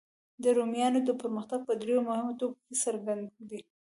د رومیانو پرمختګ په دریو مهمو ټکو کې څرګند دی.